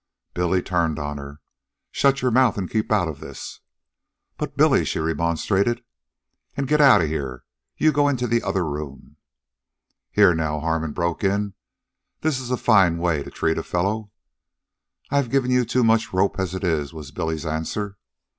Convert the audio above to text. Billy turned on her. "You shut your mouth an' keep outa this." "But, Billy," she remonstrated. "An' get outa here. You go into the other room." "Here, now," Harmon broke in. "This is a fine way to treat a fellow." "I've given you too much rope as it is," was Billy's answer.